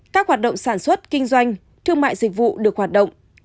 các hoạt động sản xuất kinh doanh thương mại dịch vụ được hoạt động